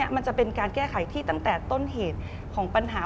มันจะเป็นการแก้ไขที่ตั้งแต่ต้นเหตุของปัญหา